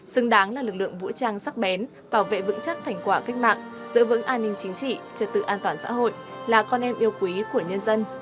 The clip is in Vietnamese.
xứng đáng là lực lượng vũ trang sắc bén bảo vệ vững chắc thành quả cách mạng giữ vững an ninh chính trị trật tự an toàn xã hội là con em yêu quý của nhân dân